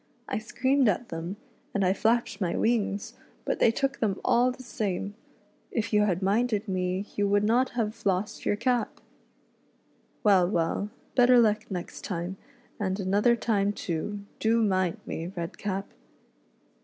"I screamed at them, and I flapped my wings, but they took them all the same. If you had minded me you would not have lost your REDCAP'S ADVENTURES IN FAIRYLAND. loi cap! Well, well, better luck .next .time, and another time too, do mind me, Redcap".